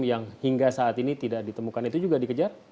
yang hingga saat ini tidak ditemukan itu juga dikejar